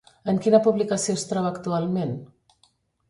En quina publicació es troba actualment?